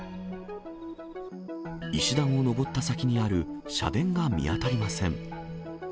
石段を上った先にある社殿が見当たりません。